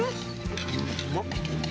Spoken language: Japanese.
うまっ！